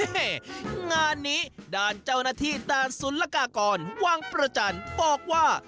งานนี้ด้านเจ้าหน้าที่ด่านสุรกากรวังประจันทร์บอกว่า